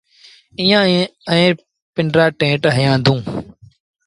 ايٚئآن آئي پنڊرآ ٽيٚنٽ هنيآندون۔